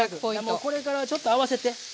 もうこれからちょっと合わせて。